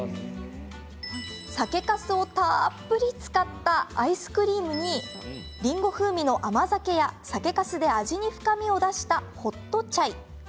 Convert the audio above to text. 酒粕をたっぷり使ったアイスクリームにりんご風味の甘酒や酒粕で味に深みを出したホットチャイ。